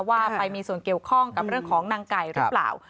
ว่าไปมีส่วนเกี่ยวข้องกับเรื่องของนางไก่หรือเปล่า